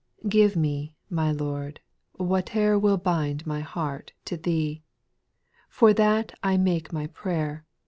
i' 6.' Give me, my Lord, whatever Will bind my heart to Thee ; For that I make my prayer.